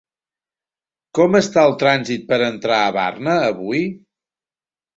Com està el trànsit per entrar a Barna, avui?